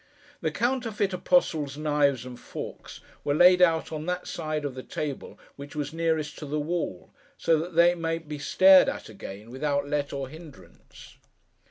The counterfeit apostles' knives and forks were laid out on that side of the table which was nearest to the wall, so that they might be stared at again, without let or hindrance.